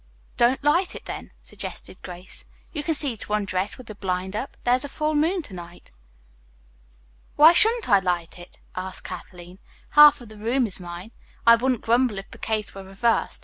"Don't light it, then," suggested Grace. "You can see to undress with the blind up. There is full moon to night." "Why shouldn't I light it?" asked Kathleen. "Half of the room is mine. I wouldn't grumble if the case were reversed.